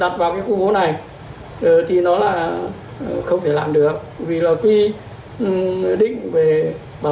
cây cầu trần hưng đạo đặt vào khu vô này thì nó là không thể làm được